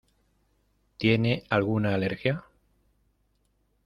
¿Tiene alguna alergia?